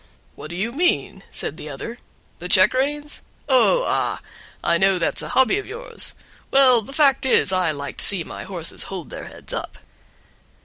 "What do you mean," said the other, "the check reins? Oh, ah! I know that's a hobby of yours; well, the fact is, I like to see my horses hold their heads up."